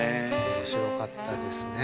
面白かったですね。